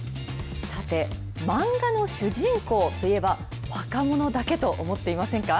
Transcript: さて、漫画の主人公といえば若者だけと思っていませんか。